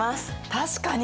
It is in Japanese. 確かに。